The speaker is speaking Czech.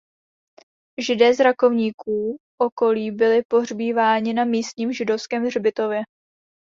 Židé z Rakovníku okolí byli pohřbíváni na místním židovském hřbitově.